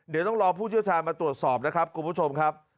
เดี๋ยวต้องรอผู้เชี่ยวชาญมาตรวจสอบนะครับคุณผู้ชมครับ